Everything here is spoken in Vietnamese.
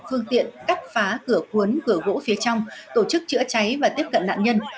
phương tiện cắt phá cửa cuốn cửa gỗ phía trong tổ chức chữa cháy và tiếp cận nạn nhân